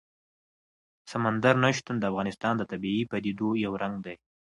سمندر نه شتون د افغانستان د طبیعي پدیدو یو رنګ دی.